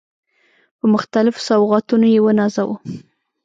په مختلفو سوغاتونو يې ونازاوه.